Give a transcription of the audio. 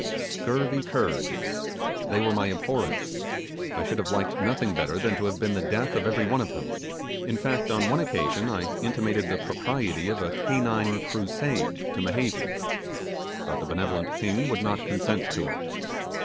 Scurvy curs! they were my abhorrence; I should have liked nothing better than to have been the death of every one of them. In fact, on one occasion, I intimated the propriety of a canine crusade to Mehevi; but the benevolent king would not consent to it.